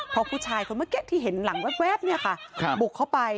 พอผู้ชายคนเมื่อกี้ที่เห็นหลังแว๊บบุกเข้าไป